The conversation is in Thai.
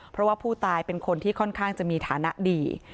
เพราะว่าผู้ตายเป็นคนที่ค่อนข้างจะมีฐานะดี